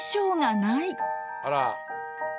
あら。